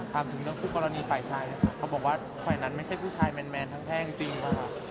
ถามถึงเรื่องคู่กรณีฝ่ายชายเลยค่ะเขาบอกว่าฝ่ายนั้นไม่ใช่ผู้ชายแมนทั้งแพ่งจริงค่ะ